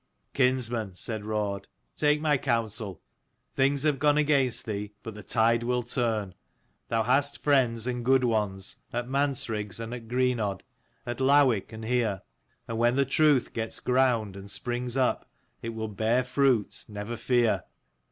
" Kinsman," said Raud, " take my counsel. Things have gone against thee, but the tide will turn. Thou hast friends, and good ones, at Mansriggs and at Greenodd, at Lowick and here ; and when the truth gets ground and springs up, it will bear fruit, never fear.